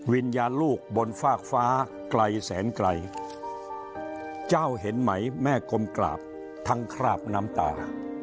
วิญญาณลูกบนฟากฟ้าไกลแสนไกลเจ้าเห็นไหมแม่กลมกราบทั้งคราบน้ำตา